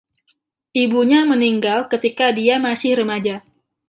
Ibunya meninggal ketika dia masih remaja.